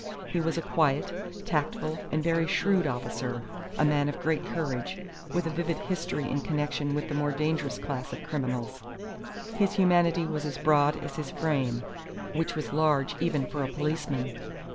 He was a quiet, tactful and very shrewd officer, a man of great courage, with a vivid history in connection with the more dangerous class of criminals. His humanity was as broad as his frame, which was large even for a policeman.